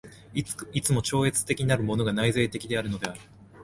いつも超越的なるものが内在的であるのである。